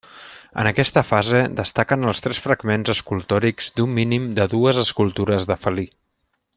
En aquesta fase destaquen els tres fragments escultòrics d'un mínim de dues escultures de felí.